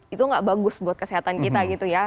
itu gak bagus buat kesehatan kita gitu ya